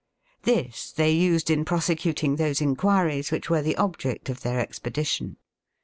This they used in prosecuting those inquiries which were the object of their expedition.